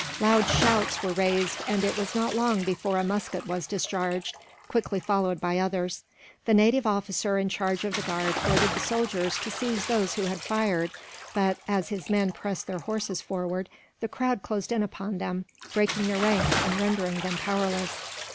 Loud shouts were raised, and it was not long before a musket was discharged, quickly followed by others. The native officer in charge of the guard ordered the soldiers to seize those who fired but, as his men pressed their horses forward, the crowd closed in upon them, breaking their ranks and rendering them powerless.